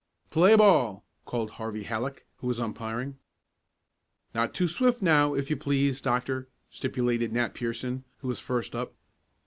"Play ball!" called Harvey Hallock, who was umpiring. "Not too swift now, if you please, Doctor," stipulated Nat Pierson, who was first up.